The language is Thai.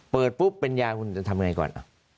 เปิดปุ๊บเป็นยาคุณจะทำยังไงก่อน